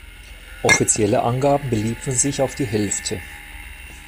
Offizielle Angaben beliefen sich auf die Hälfte.